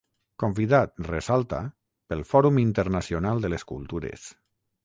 Convidat, ressalta, pel Fòrum Internacional de les Cultures.